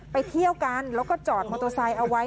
ไปเที่ยวกันแล้วก็จอดมอเตอร์ไซค์เอาไว้